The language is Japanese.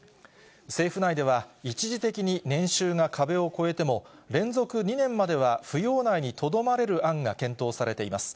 政府内では、一時的に年収が壁を超えても、連続２年までは扶養内にとどまれる案が検討されています。